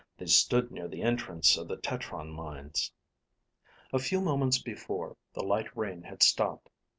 They stood near the entrance of the tetron mines. A few moments before, the light rain had stopped.